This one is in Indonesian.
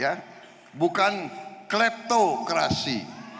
ya bukan kleptokrasi